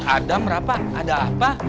adam rafa ada apa